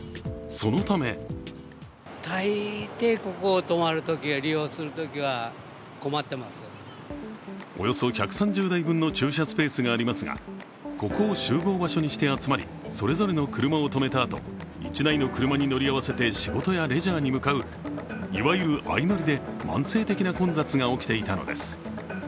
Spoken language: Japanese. そのためおよそ１３０台分の駐車スペースがありますがここを集合場所にして集まり、それぞれの車を止めたあと、１台の車に乗り合わせて仕事やレジャーに向かういわゆる相乗りで慢性的な混雑が起きていたのです。